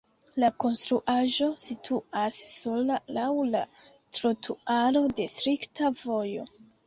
La konstruaĵo situas sola laŭ la trotuaro de strikta vojo.